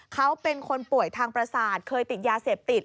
เขาเป็นคนป่วยทางประสาทเคยติดยาเสพติด